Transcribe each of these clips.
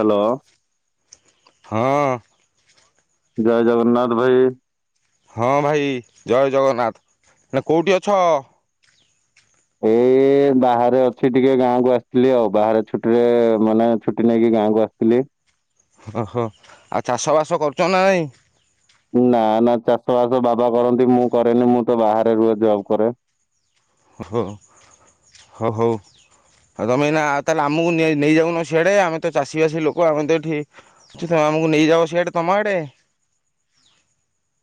Hello. ହଁ। ଜୟ ଜଗନ୍ନାଥ ଭାଇ। ହଁ ଭାଇ ଜୟ ଜଗନ୍ନାଥ କୋଉଠି ଅଛ? ହ [inaudible] ଏ ବାହାରେ ଅଛି ଟିକେ ଗାଁକୁ ଆସିଥିଲି ଆଉ ବାହାରେ ଛୁଟି ରେ ମାନେ ଛୁଟି ନେଇକି ଗାଁକୁ ଆସିଥିଲି। ଓହୋ ଆଉ ଚାଷବାସ କରୁଛ ନା ନାହିଁ? ନା ନା ଚାଷ ବାସ ବାବା କରନ୍ତି ମୁଁ କରେନି ମୁଁ ତ ବାହାରେ ରୁହେ ଜବ କରେ। ଓହୋ ହଉ ହଉ। ହଉ ତମେ ନା ତାହେଲେ ଆମକୁ ନେଇ ନେଇଯାଉନ ସିଆଡେ ଆମେ ତ ଚାଷୀ ବାସୀ ଲୋକ ଆମେ ତ ଏଠି ଅଛୁ ତମେ ତମକୁ ନେଇଯାଉ ସିଆଡେ ତମ ଆଡେ।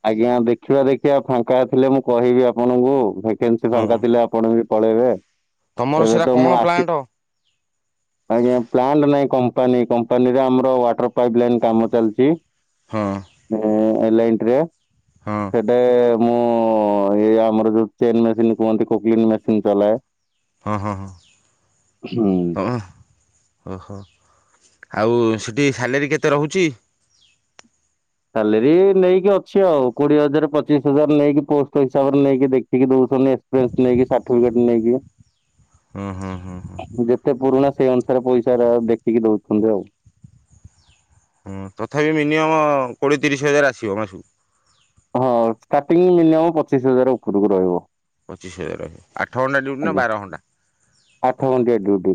ଆଜ୍ଞା ଦେଖିବା ଦେଖିବା ଫାଙ୍କା ଥିଲେ ମୁଁ କହିବି ଆପଣଙ୍କୁ ଭେକେନ୍ସି ହଁ ଫାଙ୍କା ଥିଲେ ଆପଣ ବି ପଳେଇବେ ତମର ଏବେ ସେଟା ତ କଣ ମୁଁ ଆସି ପ୍ଲାଣ୍ଟ ପ୍ଲାଣ୍ଟ ନାଇ କମ୍ପା କମ୍ପାନୀ କମ୍ପାନୀରେ ଆମର ୱାଟର ପାଇପ୍ ଲାଇନ୍ କାମ ଚାଲିଛି। ହଁ ଏଲାଇନ୍ଟିରେ ହଁ ସେଟେ ମୁଁ ଏଇ ଆମର ଯୋଉ ଚେନ୍ ମେସିନ କୁହନ୍ତି କୁକିଙ୍ଗ ମେସିନ ଚଲାଏ। ହଁ ହଁ ହୁଁ ହଁ ହଁ। ଓହୋ ଆଉ ସେଠି ସାଲେରୀ କେତେ ରହୁଛି? ସାଲେରୀ ନେଇକି ଅଛି ଆଉ କୋଡିଏ ହଜାର ପଚିଶ ହଜାର ନେଇକି ପୋଷ୍ଟ ହିସାବରେ ନେଇକି ଦେଖିକି ଦଉଛି। ଛନ୍ତି ଏକ୍ସପିରିଏନ୍ସ ନେଇକି ସାର୍ଟିଫିକେଟ ନେଇକି ହୁଁ ହୁଁ ହୁଁ ହୁଁ। ଯେତେ ପୁରୁଣା ସେଇ ଅନୁସାରେ ପଇସା ଟା ଦେଖିକି ଦଉଛନ୍ତି ଆଉ ହୁଁ ତଥାପି ମିନିମମ କୋଡିଏ ତିରିଶ ହଜାର ଆସିବ ମାସକୁ ହଁ ଷ୍ଟାର୍ଟିଂ ମିନିମମ୍ ପଚିଶି ହଜାର ଉପରକୁ ରହିବ ପଚିଶ ହଜାର ଆଠ ଘଣ୍ଟା ଡ୍ୟୁଟି ନା ଆଜ୍ଞା ବାର ଘଣ୍ଟା ଆଠ ଘଣ୍ଟିଆ ଡ୍ୟୁଟି।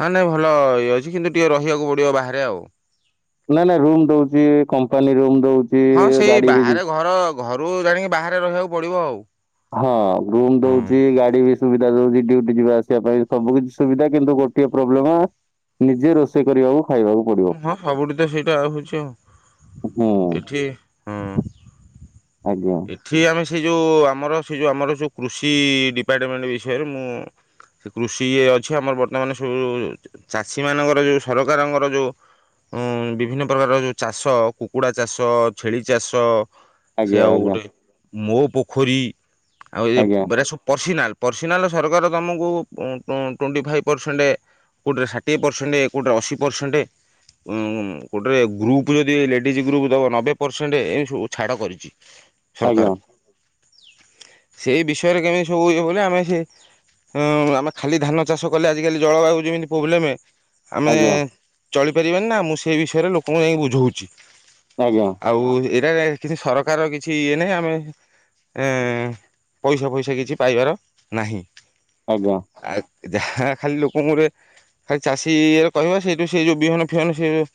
ନା ନାଇଁ ଭଲ ଇଏ ଅଛି କିନ୍ତୁ ଟିକେ ରହିବାକୁ ପଡିବ ବାହାରେ ଆଉ ନା ନା ରୁମ ଦଉଛି କମ୍ପାନୀ ରୁମ ଦଉ ହଁ ସେଇ ବାହାରେ ଘର ଘରୁ ଜାଣିକି ବାହାରେ ରହିବାକୁ ପଡିବ ଆଉ। ହଁ ରୁମ ହଁ। ଦଉଛି ଗାଡି ବି ସୁବିଧା ଦଉଛି ଡ୍ୟୁଟି ଯିବା ଆସିବା ପାଇଁ ସବୁ କିଛି ସୁବିଧା କିନ୍ତୁ ଗୋଟଏ ପ୍ରୋବ୍ଲେମ ନିଜେ ରୋଷେଇ କରିବାକୁ ଖାଇବାକୁ ପଡିବ ହଁ ସବୁଠି ତ ସେଇଟା ହଉଛି ହୁଁ ଆଉ ଏଠି ହଁ ଆଜ୍ଞା ଏଠି ଆମେ ସେ ଯେଉଁ ଆମର ସେ ଯେଉଁ ଆମର ଯେଉଁ କୃଷି ଡିପାର୍ଟମେଣ୍ଟ ବିଷୟରେ ମୁଁ ସେ କୃଷି ଇଏ ଅଛି ଆମର ବର୍ତ୍ତମାନ ସବୁ ଚାଷୀ ମାନଙ୍କର ଯୋଉ ସରକାରଙ୍କର ଯୋଉ ଉଁ ବିଭିନ୍ନ ପ୍ରକାର ଯୋଉ ଚାଷ କୁକୁଡ଼ା ଚାଷ ଛେଳି ଚାଷ ସେ ଆଜ୍ଞା ଆଉ ଆଜ୍ଞା ଗୋଟେ ମୋ ପୋଖରୀ ଆଉ ଏ ଆଜ୍ଞା ଏରା ସବୁ ପର୍ଶିନାଲ। ପର୍ସିନାଲ ସରକାର ତୁମକୁ ଟ୍ୱେଣ୍ଟି ଫାଇଭ୍ ପରସେଣ୍ଟ କୋଉଠି ଷାଠିଏ ପରସେଣ୍ଟ କୋଉଠି ଅଶୀ ପରସେଣ୍ଟ ଉ ଗୋଟେ ରେ ଗ୍ରୁପ ଯଦି ଲେଡିଜ ଗ୍ରୁପ ନବେ ପରସେଣ୍ଟ ଛାଡ କରିଚି। ସରକାର ଆଜ୍ଞା। ସେଇ ବିଷୟରେ କେମିତି ସବୁ ବ ଆମେ ସେ ହଁ ଆମେ ଖାଲି ଧାନ ଚାଷ କଲେ ଆଜିିକାଲି ଜଳବାୟୁ ଯେମିତି ପ୍ରୋବ୍ଲେମ ଆମେ ଆଜ୍ଞା ଚଳିପାରିବାନି ନା ମୁଁ ସେଇ ବିଷୟରେ ଲୋକଙ୍କୁ ଯାଇକି ବୁଝଉଛି। ଆଜ୍ଞା ଆଉ ଏଇରା କିଛି ସରକାର କି କିଛି ଇଏ ନାହିଁ ଆମେ ଏ ପଇସା ଫଇସା କିଛି ପାଇବାର ନାହିଁ। ଆଜ୍ଞା ଆଉ ଯାହା ଖାଲି ଲୋକଙ୍କରେ ଖାଲି ଚାଷୀରେ କହିବା ସେଇଠୁ ସେ ଯୋଉ ବିହନ ଫିହନ ସେ ଯଉ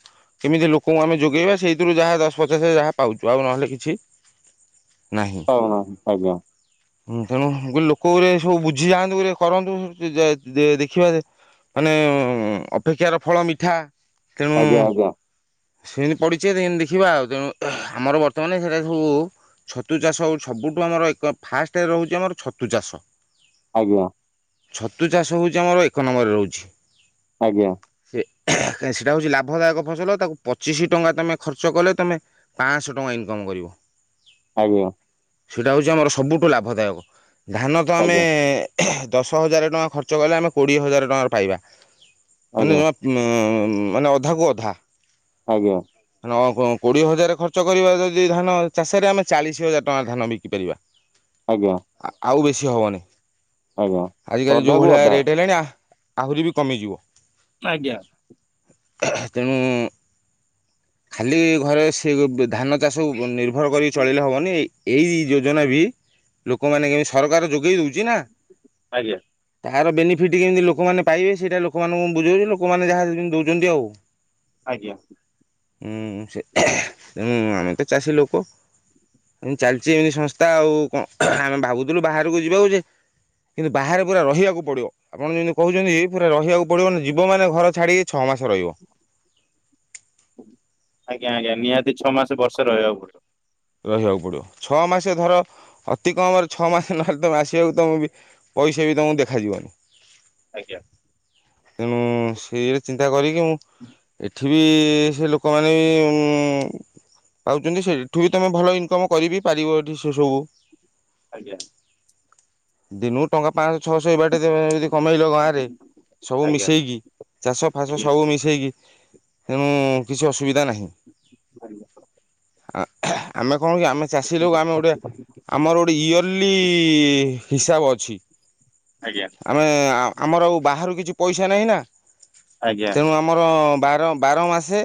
କେମିତି ଲୋକଙ୍କୁ ଆମେ ଯୋଗେଇବା ସେଇଥିରୁ ଯାହା ଦଶ ପଚାଶ ଯାହା ପାଉଛୁ ଆଉ ନହେଲେ କିଛି ପାଉନାହାନ୍ତି ଆଜ୍ଞା। ହୁଁ ତେଣୁେ ମୁ କହିଲି ଲୋକଗୁରେ ସବୁ ବୁଝି ଯାଆନ୍ତୁ ଗୁରେ କରନ୍ତୁ ଦ ଦେ ଦେଖିବା ମାନେ ଅପେକ୍ଷାର ଫଳ ମିଠା। ତେଣୁ ଆଜ୍ଞା ଆଜ୍ଞା। ସେମିତି ପଡ଼ିଚି ଦେଖିବା ଆଉ ତ ଆମର ବର୍ତ୍ତମାନ ସେଇଟା ସବୁ ଛତୁ ଚାଷ ସବୁଠୁ ଆମର ଏକ ଫାଷ୍ଟ ରହୁଛି ଆମର ଛତୁ ଚାଷ ଆଜ୍ଞା। ଛତୁ ଚାଷ ହେଉଛି ଆମର ଏକ ନମ୍ବରରେ ରହୁଚି। ଆଜ୍ଞା। [inaudible] ସେଟା ହେଉଛି ଲାଭଦାୟକ ଫସଲ ତାକୁ ପଚିଶି ଟଙ୍କା ତୁମେ ଖର୍ଚ୍ଚ କଲେ ତୁମେ ପାଁଶହ ଟଙ୍କା ଇନକମ୍ କରିବ। ଆଜ୍ଞା ସେଇଟା ହେଉଛି ଆମର ସବୁଠୁ ଲାଭଦାୟକ ଧାନ ତ ଆମେ ଆଜ୍ଞା ଦଶ ହଜାର ଟଙ୍କା ଖର୍ଚ୍ଚ କଲେ ଆମେ କୋଡ଼ିଏ ହଜାର ଟଙ୍କାର ପାଇବା ମାନେ ଆଜ୍ଞା ଜମା ମାନେ ଅଧାକୁ ଅଧା। ଆଜ୍ଞା। କୋଡିଏ ହଜାର ଖର୍ଚ୍ଚ କରିବା ଯଦି ଧାନ ଚାଷରେ ଆମେ ଚାଳିଶ ହଜାର ଟଙ୍କା ଧାନ ବିକିପାରିବା। ଆଜ୍ଞା ଆଜ୍ଞା ଆ ଆଉ ବେଶୀ ହବନି ଆଜ୍ଞା ଆଜିକାଲି ଯୋଉ ଅଧାକୁ ଭଳିଆ ଅଧା। ରେଟ୍ ହେଲାଣି ଆ ଆହୁରି ବି କମିଯିବ। ଆଜ୍ଞା। ତେଣୁ ଖାଲି ଘରେ ସେ ଧାନ ଚାଷକୁ ନିଭ ନିର୍ଭର କରି ଚଳିଲେ ହେବନି ଏ ଏଇ ଯୋଜନା ବି ଲୋକମାନେ କେମିତି ସରକାର ଯୋଗେଇ ଦଉଛି ନା ଆଜ୍ଞା। ତାହାର ବେନିଫିଟ୍ କେମିତି ଲୋକମାନେ ପାଇବେ ସେଇଟା ଲୋକମାନଙ୍କୁ ମୁ ବୁଝାଉଛି ଲୋକମାନେ ଯାହା ସେମିତି ଦଉଛନ୍ତି ଆଉ। ଆଜ୍ଞା। ହୁଁ ସେଁ ଆମେ ତ ଚାଷୀ ଲୋକ ଏ ଚାଲିଛି ଏମିତି ସଂସ୍ଥା ଆଉ କଣ ଆମେ ଭାବୁଥିଲୁ ବାହାରକୁ ଯିବାକୁ ଯେ କିନ୍ତୁ ବାହାରେ ପୁରା ରହିବାକୁ ପଡିବ ଆପଣ ଯମିତି କହୁଛନ୍ତି ପୁରା ରହିବାକୁ ପଡିବ ଜୀ ମେ ଘର ଛାଡିକି ଛ ମାସେ ରହିବ। ଆଜ୍ଞା ଆଜ୍ଞା ନିହାତି ଛଅ ମାସ ବର୍ଷ ରହିବା କୁ ପଡ଼ିବ। ରହିବାକୁ ପଡିବ ଛଅ ମାସ ଧର ଅତି କମରେ ଛଅ ମାସ ନହେଲେ ତମେ ଆସିବାକୁ ତମେ ବି ପଇସା ବି ତମକୁ ଦେଖାଯିବନି। ଆଜ୍ଞା। ତେଣୁ ସେଇରେ ଚିନ୍ତା କରିକି ମୁଁ ଏଠି ପଠିବ ସେ ଲୋକମାନେ ବି ପାଉଛନ୍ତି ସେଠ ଏଠୁ ବି ତମେ ଭଲ ଇନକମ୍ କରିବି ପାରିବ ଏଠି ସେ ସବୁ ଆଜ୍ଞା। ଦିନୁ ଟଙ୍କା ପାଞ୍ଚହ ଛଅଶହ ଏଇ ବାଟେ ଯଦି କମେଇଲ ଗାଁ ରେ ସବୁ ଆଜ୍ଞା ମିଶେଇକି ଚାଷ ଫାସ ଆଜ୍ଞା ସବୁ ମିଶେଇକି ତେଣୁ- କିଛି ଅସୁବିଧା ନାହିଁ। ଆମେ କଣ କି ଆମେ ଚାଷୀ ଲୋକ ଆମେ ଗୋଟେ ଆମର ଗୋଟେ ଇୟର୍ଲି- ହିସାବ ଅଛି। ଆଜ୍ଞା ଆମେ ଆମର ଆଉ ବାହାରୁ କିଛି ପଇସା ନାହିଁ ନା ଆଜ୍ଞା ଆଜ୍ଞା ତେଣୁ ଆମର ବାର ବାର ମାସେ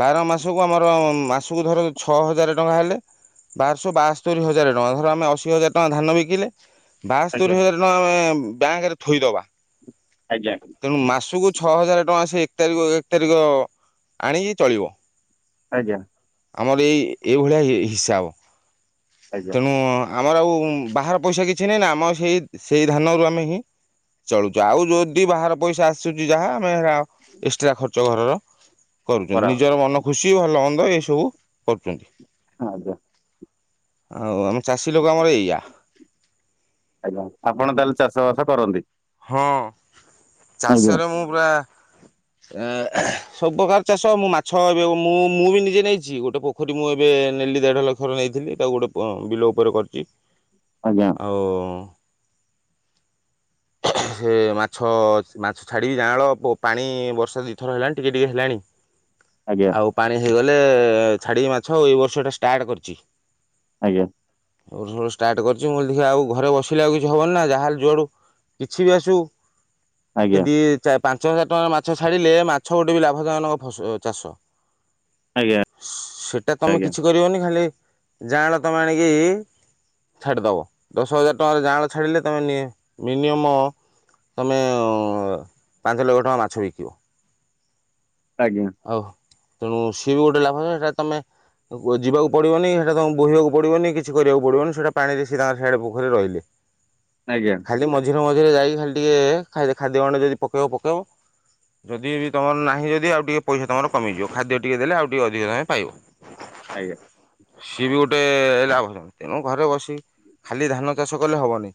ବାର ମାସକୁ ଆମର ମାସକୁ ଧର ଛଅ ହଜାର ଟଙ୍କା ହେଲେ ବାରଶହ ବାସ୍ତୋରି ହଜାର ଟଙ୍କା ଧର ଆମେ ଅଶି ହଜାର ଟଙ୍କା ଧାନ ବିକିଲେ ବାସ୍ତରି ହଜାର ଟଙ୍କା ଆମେ ବ୍ୟାଙ୍କରେ ଥୋଇଦବା। ତେଣୁ ମାସକୁ ଛଅ ହଜାର ଟଙ୍କା ସେ ଏକ ତାରିଖକୁ ଏକ ତାରିଖ- ଆଣିକି ଚଳିବ। ଆଜ୍ଞା। ଆମର ଏଇ ଏଇଭଳିଆ ହିସାବ ଆଜ୍ଞା ତେଣୁ ଆମର ଆଉ ବାହାର ପଇସା କିଛି ନାହିଁ ନା ଆମ ସେଇ ସେଇ ଧାନରୁ ଆମେ ହିଁ ଚଳୁଛୁ ଆଉ ଯଦି ବାହାର ପଇସା ଆସୁଛି ଯାହା ଆମେ ଏକ୍ସଟ୍ରା ଖର୍ଚ୍ଚ ଘରର କରୁଛନ୍ତି କରାହବ ନିଜର ମନ ଖୁସି ଭଲ ମନ୍ଦ ଏସବୁ କରୁଛନ୍ତି। ଆଜ୍ଞା। ଆଉ ଆମ ଚାଷୀ ଲୋକ ଆମର ଏଇୟା। ଆଜ୍ଞା ଆପଣ ତାହେଲେ ଚାଷ ବାସ କରନ୍ତି। ହଁ ଆଜ୍ଞା ଚାଷରେ ମୁଁ ପୁରା ଏ- ସବୁପ୍ରକାର ଚାଷ ମୁଁ ମାଛ ଏବେ ମୁଁ ମୁଁ ବି ନିଜେ ନେଇଛି ଗୋଟେ ପୋଖରୀ ମୁଁ ଏବେ [unintelligible] ଦେଢ ଲକ୍ଷର ନେଇଥିଲି ତାକୁ ଗୋଟେ ଅଁ ବିଲ ଉପରେ କରିଛି। ଆଜ୍ଞା। ଆଉ ସେ ମାଛ- ମାଛ ଛାଡ଼ିବି ଜାଁଳ ପାଣି ବର୍ଷା ଦୁଇଥର ହେଲାଣି ଟିକେ ଟିକେ ହେଲାଣି। ଆଜ୍ଞା ଆଉ ପାଣି ହେଇଗଲେ- ଛାଡ଼ିବି ମାଛ ଆଉ ଏଇ ବର୍ଷଟା ଷ୍ଟାର୍ଟ କରିଛି। ଆଜ୍ଞା। [unintelligible] ଷ୍ଟାର୍ଟ କରିଛି ମୁଁ ହେଲି ଦେଖିୱା ଆଉ ଘରେ ବସିଲେ ଆଉ କିଛି ହବନି ନା ଯାହା ହେଲେ ଯୁଆଡ଼ୁ କିଛି ବି ଆସୁ କି ଆଜ୍ଞା ଦି ଚା ପାଞ୍ଚ ହଜାର ଟଙ୍କାର ମାଛ ଛାଡ଼ିଲେ ମାଛ ଗୋଟେ ବି ଲାଭଜନକ ଫସ - ଚାଷ। ସେଟା ତମେ ଆଜ୍ଞା କିଛି କରିବନି ଖାଲି ଯାଆଁଳା ତମେ ଆଣିକି ଛାଡ଼ିଦବ ଦଶ ହଜାର ଟଙ୍କାର ଯାଆଁଳା ଛାଡିଲେ ତମେ ନି ମିନିମମ୍ ତମେ- ପାଞ୍ଚ ଲକ୍ଷ ଟଙ୍କା ମାଛ ବିକିବ। ଆଜ୍ଞା। ଆଉ ତେଣୁ ସିଏ ବି ଗୋଟେ ଲାଭ ସେଇଟା ତମେ। ଆଉ କୁଆଡେ ଯିବାକୁ ପଡିବନି ସେଇଟା ତମକୁ ବୋହିବାକୁ ପଡିବନି କିଛି କରିବାକୁ ପଡିବନି ସେଇଟା ପାଣିରେ ସେ ତାଙ୍କଏ ସିଆଡେ ପୋଖରୀରେ ରହିଲେ। ଆଜ୍ଞା। ଖାଲି ମଝିରେ ମଝିରେ ଯାଇକି ଖାଲି ଟିକେ ଖାଇଲେ ଖାଦ୍ୟ ଗଣ୍ଡେ ଯଦି ପକେଇବ ପକେଇବ। ଯଦି ଜଦି ତମର ନାହିଁ ଯଦି ଆଉ ଟିକେ ପଇସା ତମର କମି ଯିବ ଖାଦ୍ୟ ଟିକେ ଦେଲେ ଆଉ ଟିକେ ଅଧିକ ତମେ ପାଇବ। ଆଜ୍ଞା। ସିଏ ବି ଗୋଟେ ଏ ରା ଭଲ ତେଣୁ ଘରେ ବସି ଖାଲି ଧାନ ଚାଷ କଲେ ହବନି।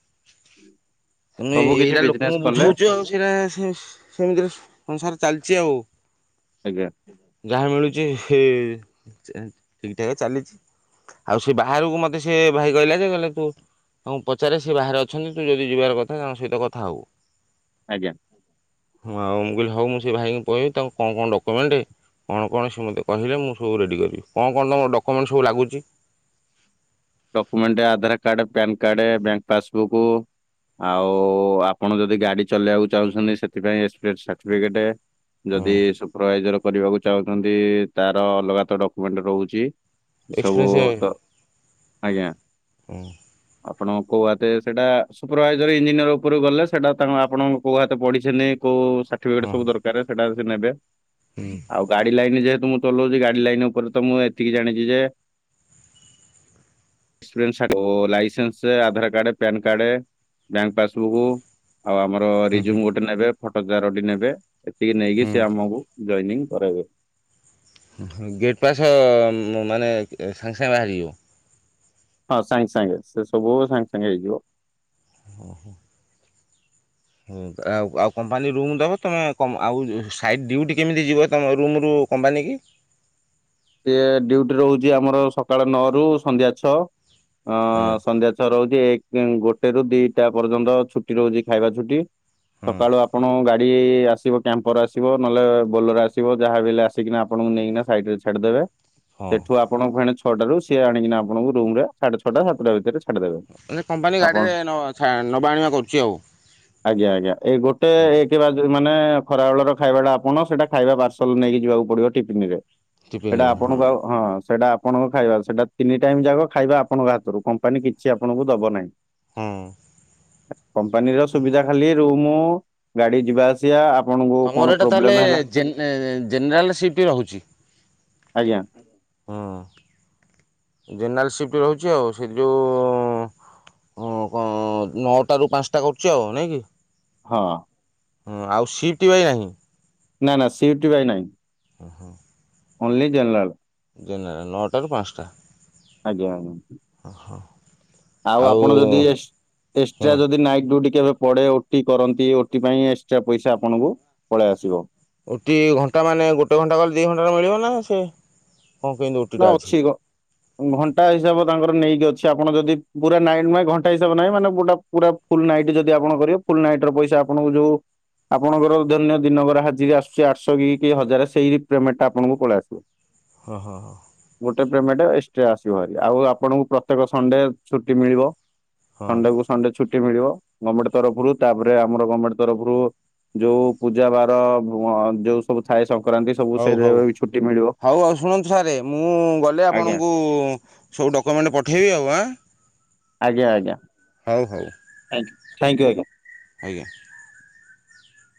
ତୁମେ ସବୁ କିଛି ଏଇରା ବିଜନେସ ଲୋକଙ୍କୁ କଲେ ବୁଝଉଛୁ ଆଉ ସେଇରା। ଫିସ୍ ସେମିତିରେ ସଂସାର ଚାଲିଛି ଆଉ। ଆଜ୍ଞା। ଯାହା ମିଳୁଛି ସେ -ଚେ ଠିକଠାକ୍ ଚାଲିଛି। ଆଉ ସେ ବାହାରକୁ ମୋତେ ସେ ଭାଇ କହିଲା ଯେ କହିଲା ତୁ ତାଙ୍କୁ ପଚାରେ ସେ ବାହାରେ ଅଛନ୍ତି ତୁ ଯଦି ଯିବାର କଥା ତାଙ୍କ ସହିତ କଥା ହବୁ। ଆଜ୍ଞା। ହଁ ମ - ମୁଁ କହିଲି ହଉ ମୁଁ ସେ ଭାଇଙ୍କୁ କହିବି ତାଙ୍କୁ କଣ କଣ ଡକ୍ୟୁମେଣ୍ଟ କଣ, କଣ, ସେ ମୋତେ କହିଲେ ମୁଁ ସବୁ ରେଡ଼ି କରିବି। କଣ କଣ ତମର ଡକ୍ୟୁମେଣ୍ଟ ସବୁ ଲାଗୁଛି? ଡକୁମେଣ୍ଟ ଆଧାରକାର୍ଡ଼େ, ପ୍ୟାନକାର୍ଡ଼େ, ବ୍ୟାଙ୍କ ପାସବୁକୁ ଆଉ ଆପଣ ଯଦି ଗାଡି ଚଲେଇବାକୁ ଚାହୁଁଛନ୍ତି, ସେଥିପାଇଁ ଏକ୍ସପିରିଏନ୍ସ ସାର୍ଟିଫିକେଟ। ଯଦି ସୁପରଭାଇଜର କରିବାକୁ ଚାହୁଁଛନ୍ତି ତାର ଅଲଗା ତ ଡକୁମେଣ୍ଟ ରହୁଚି। ସବୁ ତ ଆଜ୍ଞା ହଁ। ଆପଣ କୋଉ ହାତେ ସେଟା ସୁପରଭାଇଜର ଇଞ୍ଜିନିୟର୍ ଉପରୁ ଗଲେ ସେଟା ତାଙ୍କ ଆପଣଙ୍କ କୋଉ ହାତେ ପଢ଼ିଛନି କୋଉ ସାର୍ଟିଫିକେଟ ହଁ ସବୁ ଦରକାର ସେଟାକୁ ସେ ନେବେ। ଆଉ ଗାଡି ଲାଇନ୍ ଯେ ତ ମୁଁ ଚଲଉଚି ଗାଡି ଲାଇନ୍ ଉପରେ ତ ମୁଁ ଏତିକି ଜାଣିଚି ଯେ ଏସପେନ୍ସ [unintelligible] licence Aadhaar card, PAN card bank ପାସବୁକୁ ଆଉ ଆମର ରିଜୁମ ଗୋଟେ ନେବେ ଫଟୋ ଚାରଟି ନେବେ। ଏତିକି ନେଇକି ସିଏ ଆମକୁ ଜଏନିଂ କରାଇବେ। ହଁ ଗେଟ୍ ପାସ୍ ଉଁ, ମାନେ ଏ ସାଙ୍ଗେ ସାଙ୍ଗେ ବାହାରିଯିବ? ହଁ ସାଙ୍ଗେ ସାଙ୍ଗେ ସେ ସବୁ ସାଙ୍ଗେ ସାଙ୍ଗେ ହେଇଯିବ। ହୋ, ହୋ। ହଁ ତ ଆଉ ଆଉ କମ୍ପାନୀ ରୁମ୍ ଦବ ତୋମେ କମ୍ ଆଉ ଯେ ସାଇଡ ଡ୍ୟୁଟି କେମିତି ଯିବ ତୋମ ରୁମ୍ ରୁ? କୁ କମ୍ପାନୀକି? ସେି ଡ୍ୟୁଟି ରହୁଚି ଆମର ସକାଳ ନଅ ରୁ ସନ୍ଧ୍ୟା ଛଅ। ହଁ ସନ୍ଧ୍ୟା ଛଅ ରହୁ କିଏ କେ ଗୋଟେ ରୁ ଦିଟା ପର୍ଯ୍ୟନ୍ତ ଛୁଟି ରହୁଚି ଖାଇବା ଛୁଟି। ହଁ ସକାଳୁ ଆପଣ ଗା ଡି ଆସିବ ଟେମ୍ପର ଆସିବ। ନହେଲେ ବୋଲର ଆସିବ ଯାହା ବି ହେଲେ ଆସିକିନା ଆପଣଙ୍କୁ ନେଇକିନା ସାଇଡରେ ଛା ଛାଡିଦେବେ। ହଁ ସେଠୁ ଆପଣ ଫେଣେ ଛଅଟା ରୁ ସିଏ ଆଣିକିନା ଆପଣଙ୍କୁ ରୁମ୍ ରେ ସାଢେ ଛଅଟା ସାତଟା ଭିତରେ ଛାଡିଦେବେ। ନେ- କମ୍ପାନୀ ଆପଣ ଗାଡ଼ିରେ ନ-ଛା-ନବା ଆଣିବା କରୁଛି ଆଉ। ଆଜ୍ଞା, ଆଜ୍ଞା ଏଇ ଗୋଟେ ହୁଁ ଏକ ବା ଯୋଉ ମାନେ ଖରାବେେଳର ଖାଇବା ଟା ଆପଣ ସେଟା ଖାଇବା ପାର୍ସଲ ନେଇକି ଯିବାକୁ ପଡିବ ଟିଫିନ ରେ। ସେଟା ଆପଣଙ୍କୁ ଆଉ, ହଁ ସେଇଟା ଆପଣଙ୍କ ଖାଇବା ସେଟା ତିନି ଟାଇମ୍ ଯାକ ଖାଇବା ଆପଣଙ୍କ ହାତରୁ। କମ୍ପାନୀ କିଛି ଆପଣଙ୍କୁ ଦବ ନାହିଁ। ହଁ। କମ୍ପାନୀର ହଁ ସୁବିଧା ଖାଲି ରୁମୁ, ଗାଡି ଯିବା ଆସିବା, ଆ ତୋମର ଏଟା ତାହେଲେ ଜେନ ଏ, ଜେନେରାଲ ସିପ୍ଟ ରହୁଛି? ଆଜ୍ଞା। ହଁ ଜେନେରାଲ ସିଫ୍ଟ ରହୁଚି ଆଉ। ସେଇଠି ଯୋଉ ହଁ କଣ ନଅଟା ରୁ ପାନ୍ସଟା କରୁଚି ଆଉ ନାଇଁ କି? ହଁ। ହଁ ଆଉ ସିଟ୍ ବାଇ ନାହିଁ? ନା ନା ସିଟି ବାଇ ନାଇଁ। ଓ ହୋ। ଓନ୍ଲି ଜେନଲାଲ। ଜେନରାଲ ନଅଟା ରୁ ପାନ୍ସଟା। ଆଜ୍ଞା ଆଜ୍ଞା। ଓ ହୋ। ଆଉ ଆପଣ ଯଦି ଏସ୍ ଏକ୍ସଟ୍ରା ହଁ ଯଦି ନାଇଟ୍ ଡ୍ୟୁଟି କେବେ ପଡେ ଓଟି କରନ୍ତି। ଓଟି ପାଇଁ ଏକ୍ସଟ୍ରା ପଇସା ଆପଣଙ୍କୁ ପଳେଇ ଆସିବ। ଓଟି ଘଣ୍ଟା ମାନେ ଗୋଟେ ଘଣ୍ଟା କଲେ ଦି ଘଣ୍ଟାର ମିଳିବ ନା ସେ କ'ଣ କେମିତି ନା ଓଟିଟା ଅଛି ଗ ଘଣ୍ଟା ହିସାବ ତାଙ୍କର ନେଇକି ଅଛି ଛି, ଆପଣ ଯଦି ପୁରା ନାଇଟ୍ ମାଇ ଘଣ୍ଟା ହିସାବ ନାହିଁ। ମାନେ ଗୁଟା ପୁରା ଫୁଲ୍ ନାଇଟ୍ ଯଦ ଆପଣ କରିବେ ଫୁଲ୍ ନାଇଟ୍ ର ପଇସା ଆପଣଙ୍କୁ ଯୋଉ ଆପଣଙ୍କର ଧରିନିଅ ଦିନକର ହାଜିରି ଆସୁଛି ଆଠଶହ କି କି ହଜାରେ ସେଇ ପେମେଣ୍ଟ ଟା ଆପଣଙ୍କୁ ପଳେଇ ଆସିବ। ହଁ ହଁ ଗୋଟେ ପେମେଣ୍ଟ ଏକ୍ସଟ୍ରା ଆସିବ ଭାରି। ଆଉ ଆପଣଙ୍କୁ ପ୍ରତ୍ୟେକ ସଣ୍ଡେ ଛୁଟି ମିଳିବ। ହଁ ହଁ ସଣ୍ଡେ କୁ ସଣ୍ଡେ ଛୁଟି ମିଳିବ ଗମେଣ୍ଟ ତରଫରୁ। ତାପରେ ଆମର ଗମେଣ୍ଟ ତରଫରୁ ଯୋଉ ପୂଜା ବାର ଅଁ, ଯୋଉ ସବୁ ଥାଏ ସ କରାନ୍ତି ସବୁ ହଉ ସେଇରେ ହଉ ବି ଛୁଟି ମିଳିବ। ହଉ ଆଉ ଶୁଣନ୍ତୁ ସାର୍ ମୁଁ ଗଲେ ଆଜ୍ଞା ଆପଣଙ୍କୁ ସବୁ ଡକ୍ୟୁମେଣ୍ଟ ପଠାଇବି ଆଉ ଆଁ? ଆଜ୍ଞା, ଆଜ୍ଞା। ହଉ ହଉ। ଥୁ ଥଙ୍କୟୁ, ଆଜ୍ଞା। ଆଜ୍ଞା।